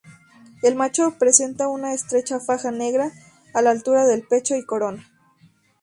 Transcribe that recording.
El macho presenta una estrecha faja negra a la altura del pecho y corona.